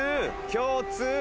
共通。